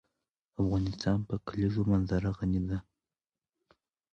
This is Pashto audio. افغانستان په د کلیزو منظره غني دی.